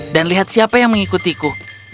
dan lihat siapa yang mengikutiku